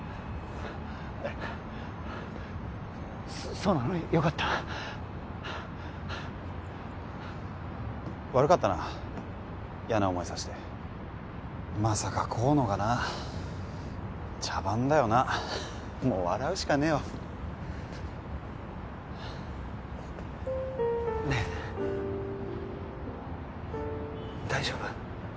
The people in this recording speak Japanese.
そうなのよかった悪かったな嫌な思いさせてまさか甲野がな茶番だよなもう笑うしかねえわねえ大丈夫？